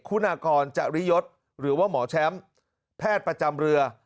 คุณากรจริยศหรือว่าหมอแชมป์แพทย์ประจำเรือ